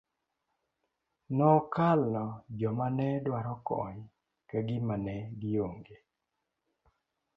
Nokalo joma ne dwaro kony ka gima ne gi ong'e.